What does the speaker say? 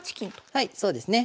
はいそうですね。